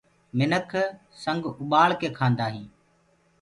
منک سنگ اُڀآݪ ڪي کآندآ هينٚ۔